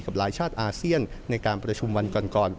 หลายชาติอาเซียนในการประชุมวันก่อน